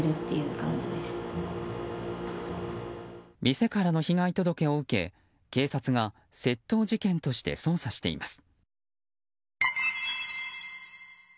店からの被害届を受け警察が窃盗事件として捜査しています。